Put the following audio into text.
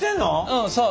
うんそう。